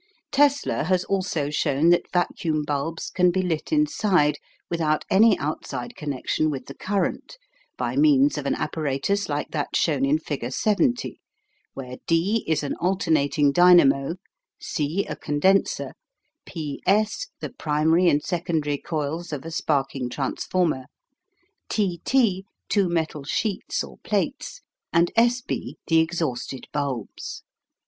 Tesla has also shown that vacuum bulbs can be lit inside without any outside connection with the current, by means of an apparatus like that shown in figure 70, where D is an alternating dynamo, C a condenser, P S the primary and secondary coils of a sparking transformer, T T two metal sheets or plates, and SB the exhausted bulbs.